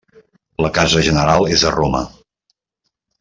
La casa general és a Roma.